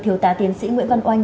thiếu tá tiến sĩ nguyễn văn oanh